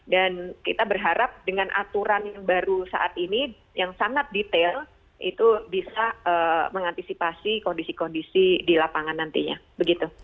dan kita berharap dengan aturan yang baru saat ini yang sangat detail itu bisa mengantisipasi kondisi kondisi di lapangan nantinya begitu